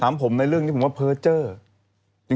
ถามผมในเรื่องนี้ผมว่าเพอร์เจอร์